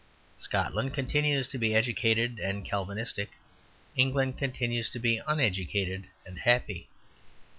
Scotland continues to be educated and Calvinistic; England continues to be uneducated and happy.